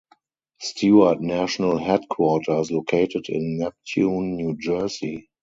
Stewart National Headquarters, located in Neptune, New Jersey.